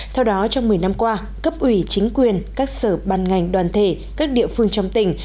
theo đó trong một mươi năm qua cấp ủy chính quyền các sở ban ngành đoàn thể các địa phương trong tỉnh